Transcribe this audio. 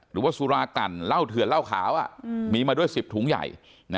หรือว่าสุรากันเหล้าเถื่อนเหล้าขาวมีมาด้วย๑๐ถุงใหญ่